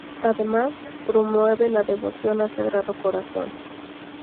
Además, promueve la devoción al Sagrado Corazón.